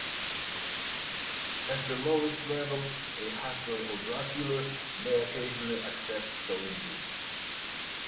At the lowest level, a hustler or drug dealer may occasionally accept stolen goods.